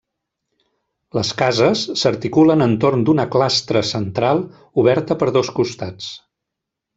Les cases s'articulen entorn d'una clastra central oberta per dos costats.